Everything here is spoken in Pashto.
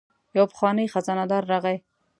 یو پخوانی خزانه دار راغی.